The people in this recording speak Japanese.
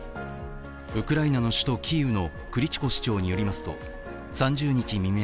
ウクライナの首都キーウのクリチコ市長によりますと、３０日未明